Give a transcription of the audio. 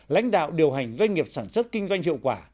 lãnh đạo điều hành doanh nghiệp sản xuất kinh doanh hiệu quả